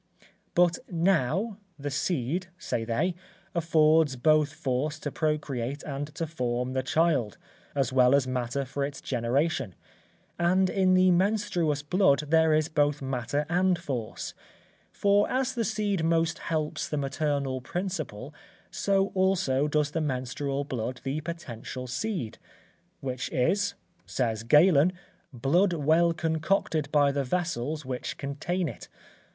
But now, the seed, say they, affords both force to procreate and to form the child, as well as matter for its generation; and in the menstruous blood there is both matter and force, for as the seed most helps the maternal principle, so also does the menstrual blood the potential seed, which is, says Galen, blood well concocted by the vessels which contain it.